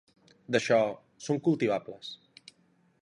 D'això, són cultivables.